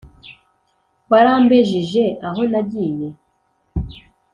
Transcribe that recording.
warambejije aho nagiye